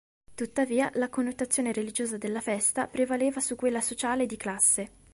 Tuttavia la connotazione religiosa della festa prevaleva su quella sociale e di "classe".